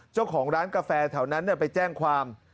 เจ้าของร้านกาแฟแถวนั้นไปแจ้งความ